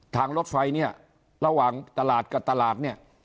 รถไฟเนี่ยระหว่างตลาดกับตลาดเนี่ย